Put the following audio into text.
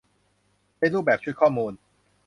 ในรูปแบบชุดข้อมูล